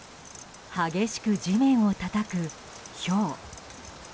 激しく地面をたたく、ひょう。